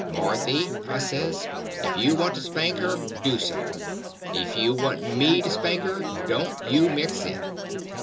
"Marthy," I says, "if you want to spank her, do so. If you want me to spank her, don't you mix in."